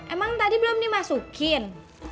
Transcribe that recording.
emang tadi belum dimasukin